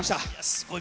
すごい。